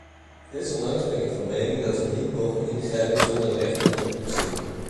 Desondanks ben ik van mening dat we niet mogen ingrijpen zonder rechterlijke toetsing.